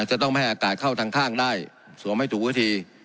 จะต้องไม่ให้อากาศเข้าทางข้างได้สวมให้ถูกวิธี